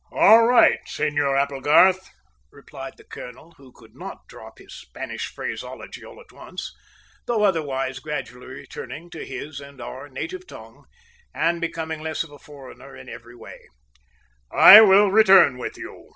"All right, Senor Applegarth," replied the colonel, who could not drop his Spanish phraseology all at once, though otherwise gradually returning to his and our own native tongue and becoming less of a foreigner in every way, "I will return with you."